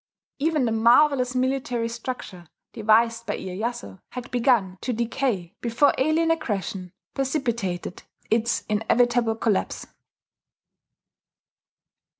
Even the marvellous military structure devised by Iyeyasu had begun to decay before alien aggression precipitated its inevitable collapse.